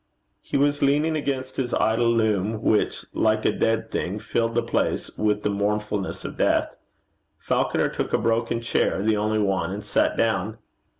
He was leaning against his idle loom, which, like a dead thing, filled the place with the mournfulness of death. Falconer took a broken chair, the only one, and sat down.